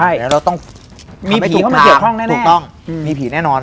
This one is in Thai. แล้วต้องทำให้ผีคล้างถูกต้องมีผีแน่นอน